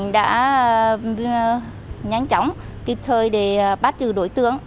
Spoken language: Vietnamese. đã nhanh chóng kịp thời để bắt trừ đối tượng